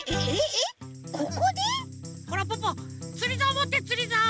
ほらポッポつりざおもってつりざお！